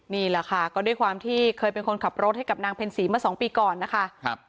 นี่แหละค่ะก็ด้วยความที่เคยเป็นคนขับรถให้กับนางเพ็ญศรีมา๒ปีก่อนนะคะ